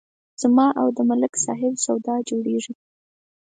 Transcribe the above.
زما او د ملک صاحب سودا جوړېږي